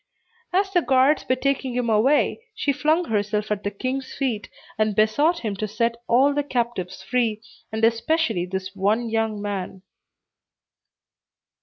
As the guards were taking him away, she flung herself at the king's feet, and besought him to set all the captives free, and especially this one young man.